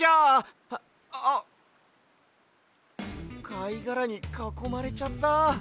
かいがらにかこまれちゃった。